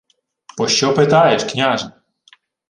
— Пощо питаєш, княже?